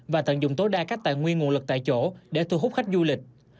và tận dụng tối đa các tài nguyên nguồn lực tại chỗ để thu hút khách du lịch